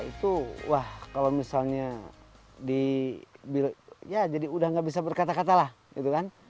itu wah kalau misalnya di ya jadi udah gak bisa berkata katalah gitu kan